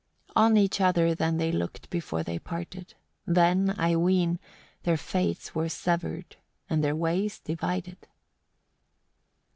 34. On each other then they looked before they parted: then, I ween, their fates were severed, and their ways divided.